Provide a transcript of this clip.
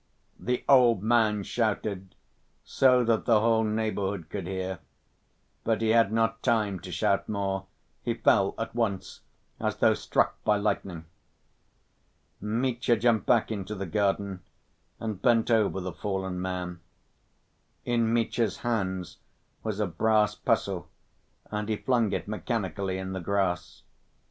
the old man shouted so that the whole neighborhood could hear, but he had not time to shout more, he fell at once, as though struck by lightning. Mitya jumped back into the garden and bent over the fallen man. In Mitya's hands was a brass pestle, and he flung it mechanically in the grass.